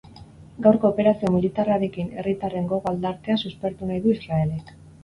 Gaurko operazio militarrarekin herritarren gogo-aldartea suspertu nahi du Israelek.